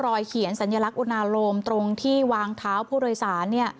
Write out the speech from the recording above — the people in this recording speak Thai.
เขียนสัญลักษณอุณาโลมตรงที่วางเท้าผู้โดยสาร